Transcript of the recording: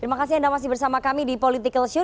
terima kasih anda masih bersama kami di politikalshow